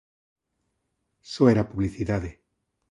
Só era publicidade.